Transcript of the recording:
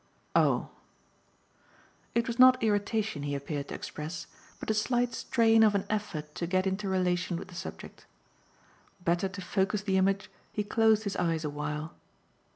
"Oh!" It was not irritation he appeared to express, but the slight strain of an effort to get into relation with the subject. Better to focus the image he closed his eyes a while.